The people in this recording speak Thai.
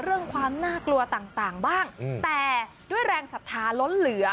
เรื่องความน่ากลัวต่างบ้างแต่ด้วยแรงศรัทธาล้นเหลือ